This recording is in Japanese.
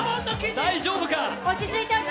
大丈夫か。